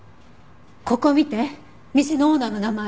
ここ見て店のオーナーの名前。